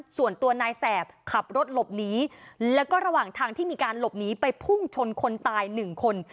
ส่วนตัวนายแสบขับรถหลบหนีแล้วก็ระหว่างทางที่มีการหลบหนีไปพุ่งชนคนตายหนึ่งคน